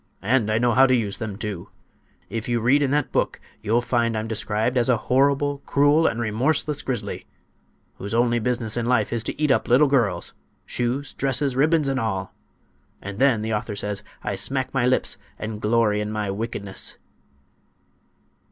"And I know how to use them, too. If you read in that book you'll find I'm described as a horrible, cruel and remorseless grizzly, whose only business in life is to eat up little girls—shoes, dresses, ribbons and all! And then, the author says, I smack my lips and glory in my wickedness."